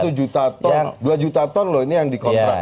satu juta ton dua juta ton loh ini yang dikontrak